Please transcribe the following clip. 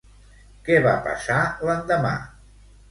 Què va passar l'endemà?